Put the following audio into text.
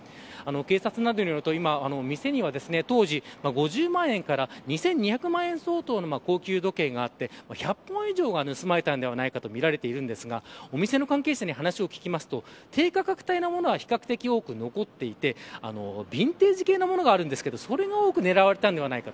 警察によると、店には当時５０万円から２２００万円相当の高級時計があって１００点以上が盗まれたのではないかと言われていますがお店の関係者に話を聞くと低価格帯のものは比較的多く残っていてビンテージ系の物があるんですがそれが多く狙われたのではないか。